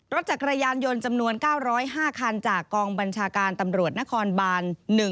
รถจักรยานยนต์จำนวน๙๐๕คันจากกองบัญชาการตำรวจนครบาน๑